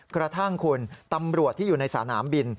กระทั่งคุณตำรวจที่อยู่ในสนามบิน